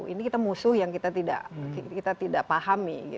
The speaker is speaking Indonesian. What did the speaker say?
ini kita musuh yang kita tidak pahami